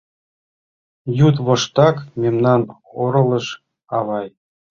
Йӱдвоштак мемнам оролыш, авай.